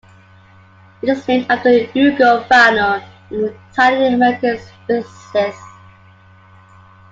It is named after Ugo Fano, an Italian American physicist.